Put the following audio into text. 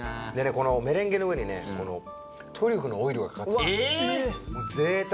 このメレンゲの上にねトリュフのオイルがかかってるもう贅沢！